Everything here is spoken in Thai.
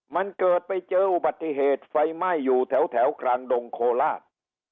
มันเกิดไปเจออุบัติเหตุไฟไหม้อยู่แถวกลางดงโคลาส